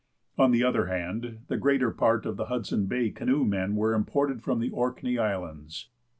On the other hand, the greater part of the Hudson Bay canoe men were imported from the Orkney Islands.